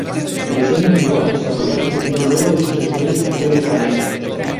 Briceño llegó a desarrollar su estilo luego de sus estudios en Río de Janeiro.